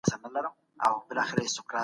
باغ زرغون دئ.